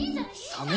サメ？